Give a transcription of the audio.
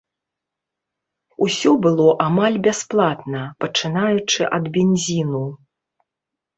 Усё было амаль бясплатна, пачынаючы ад бензіну.